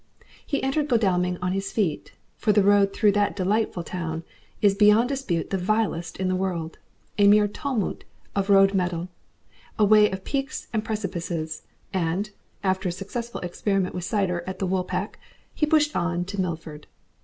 He entered Godalming on his feet, for the road through that delightful town is beyond dispute the vilest in the world, a mere tumult of road metal, a way of peaks and precipices, and, after a successful experiment with cider at the Woolpack, he pushed on to Milford.